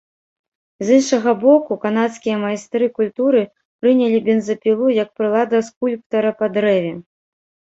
З іншага боку, канадскія майстры культуры прынялі бензапілу як прылада скульптара па дрэве.